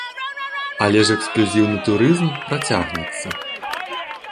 Але ж эксклюзіўны турызм працягнецца.